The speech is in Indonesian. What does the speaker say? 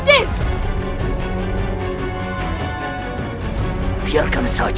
lupa banyak relaughs